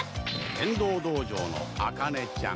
天道道場のあかねちゃん